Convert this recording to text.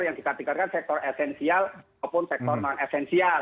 yang kita tinggalkan sektor esensial ataupun sektor non esensial